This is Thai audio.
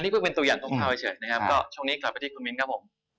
ก็ตรงนี้กลับไปที่คุณมินครับ